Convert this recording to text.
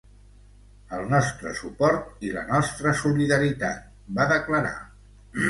El nostre suport i la nostra solidaritat, va declarar.